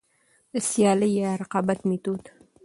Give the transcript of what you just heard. د سيالي يا رقابت ميتود: